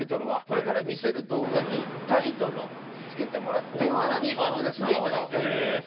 これから見せる動画にタイトルをつけてもらってさらにバズらせていただきたいと思います。